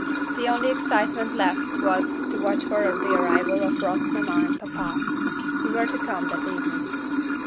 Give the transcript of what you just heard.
The only excitement left was to watch for the arrival of Rock's papa and mamma, who were to come that evening.